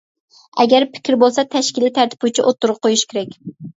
ئەگەر پىكرى بولسا تەشكىلىي تەرتىپ بويىچە ئوتتۇرىغا قويۇش كېرەك.